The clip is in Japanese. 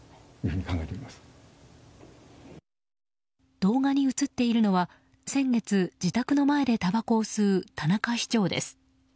動画に映っているのは先月、自宅の前でたばこを吸う田中市長です。